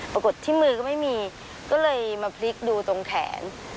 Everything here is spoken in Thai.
ปรากฏที่มือก็ไม่มีก็เลยมาพลิกดูตรงแขน